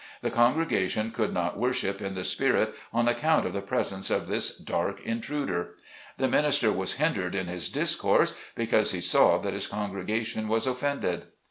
The congregation could not worship in the spirit on account of the presence of this dark intruder. The minister was hindered in his discourse because he saw that his congregation was offended.